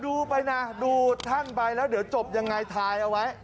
รู้ไปนะดูท่านใบแล้วเดี๋ยวจบอย่างไรทรายเอาไว้